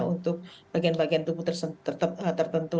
untuk bagian bagian tubuh tertentu